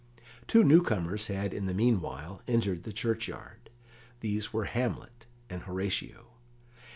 Two newcomers had in the meanwhile entered the churchyard. These were Hamlet and Horatio.